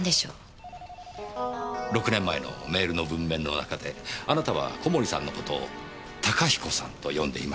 ６年前のメールの文面の中であなたは小森さんの事を高彦さんと呼んでいました。